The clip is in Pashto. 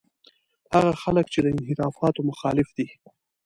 هغه خلک چې د انحرافاتو مخالف دي.